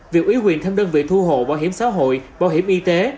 việc ủy quyền thêm đơn vị thu hộ báo hiểm xã hội báo hiểm y tế